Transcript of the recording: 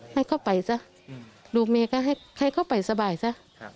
ให้เขาไปซะลูกแม่ก็ให้เขาไปสบายซะ